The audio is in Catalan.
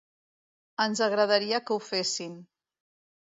Ens agradaria que ho fessin.